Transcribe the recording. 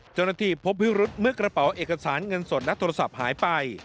เจ้าหน้าที่พบพิรุษเมื่อกระเป๋าเอกสารเงินสดและโทรศัพท์หายไป